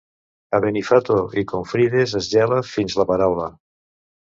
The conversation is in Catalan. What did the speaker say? A Benifato i Confrides es gela fins la paraula.